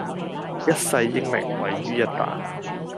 一世英名毀於一旦